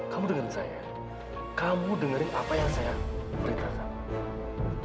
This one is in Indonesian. kamu dengarin saya kamu dengarin apa yang saya memberitakan